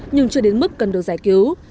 nhưng chưa đến mức cần được giải cứu